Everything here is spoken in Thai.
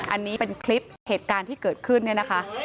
อันนี้เป็นคลิปเหตุการณ์ที่เกิดขึ้น